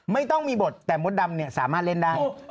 ไม่ต้องมีบทแต่โม็ตดำเนี่ยสามารถเล่นได้